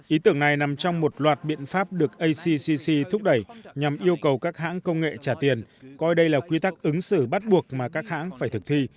ý tưởng này nằm trong một loạt biện pháp được acccc thúc đẩy nhằm yêu cầu các hãng công nghệ trả tiền coi đây là quy tắc ứng xử bắt buộc mà các hãng phải thực thi